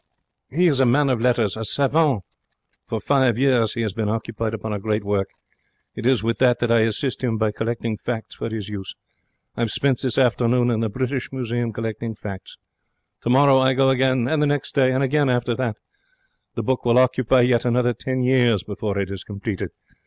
'He is a man of letters, a savant. For five years he has been occupied upon a great work. It is with that that I assist him by collecting facts for 'is use. I 'ave spent this afternoon in the British Museum collecting facts. Tomorrow I go again. And the next day. And again after that. The book will occupy yet another ten years before it is completed.